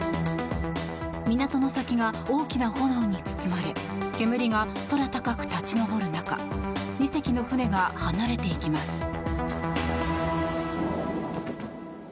港の先が大きな炎に包まれ煙が空高く立ち上る中２隻の船が離れていきます。